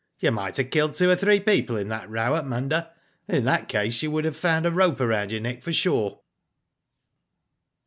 "You might have killed two oj three people in that row at Munda, and in that case you would have found a rope round your neck for sure."